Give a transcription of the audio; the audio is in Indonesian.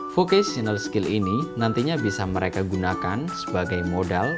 vocatinel skill ini nantinya bisa mereka gunakan sebagai modal